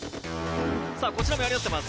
さあこちらもやりあってます。